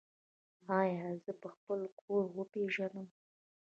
ایا زه به خپل کور وپیژنم؟